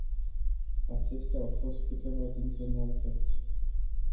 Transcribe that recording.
Acestea au fost câteva dintre noutăți.